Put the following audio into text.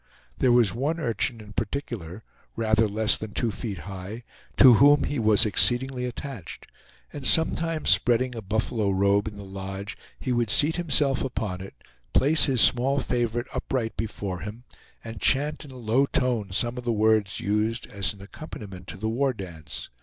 There was one urchin in particular, rather less than two feet high, to whom he was exceedingly attached; and sometimes spreading a buffalo robe in the lodge, he would seat himself upon it, place his small favorite upright before him, and chant in a low tone some of the words used as an accompaniment to the war dance.